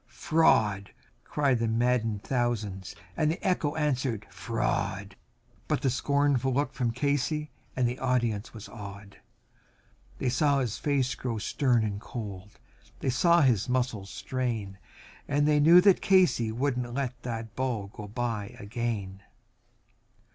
"Fraud!" yelled the maddened thousands, and the echo answered "Fraud," But one scornful look from Casey and the audience was awed; They saw his face grow stern and cold; they saw his muscles strain, And they knew that Casey would not let that ball go by again.